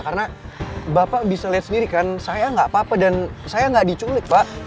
karena bapak bisa lihat sendiri kan saya gak apa apa dan saya gak diculik pak